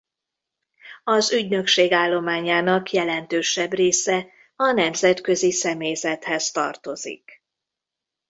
Az ügynökség állományának jelentősebb része a nemzetközi személyzethez tartozik.